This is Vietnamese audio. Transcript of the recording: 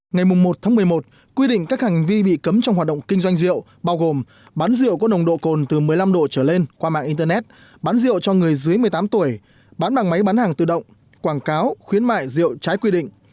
ngày một một mươi một quy định các hành vi bị cấm trong hoạt động kinh doanh rượu bao gồm bán rượu có nồng độ cồn từ một mươi năm độ trở lên qua mạng internet bán rượu cho người dưới một mươi tám tuổi bán bằng máy bán hàng tự động quảng cáo khuyến mại rượu trái quy định